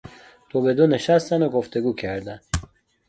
دوبدو نشستند و گفتگو کردند.